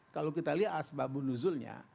kalau kita lihat asbabun nuzulnya